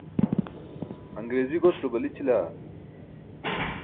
aṅriizi goslo balićila?